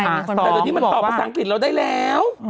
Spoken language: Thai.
แต่เดี๋ยวนี้มันตอบภาษาอังกฤษเราได้แล้ว